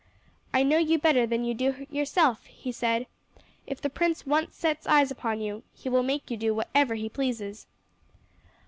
"I know you better than you know yourself," he said. "If the prince once sets eyes upon you, he will make you do whatever he pleases."